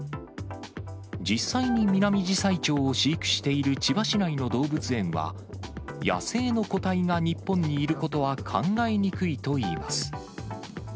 実際にミナミジサイチョウを飼育している千葉市内の動物園は、野生の個体が日本にいることは考えにくいといいます。